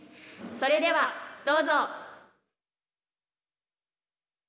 それではどうぞ。